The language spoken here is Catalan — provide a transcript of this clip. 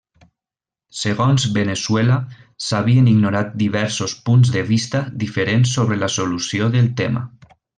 Segons Veneçuela, s'havien ignorat diversos punts de vista diferents sobre la solució del tema.